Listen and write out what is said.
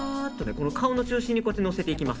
この顔の中心にのせていきます。